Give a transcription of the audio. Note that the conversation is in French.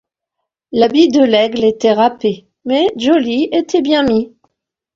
L’habit de Laigle était râpé, mais Joly était bien mis.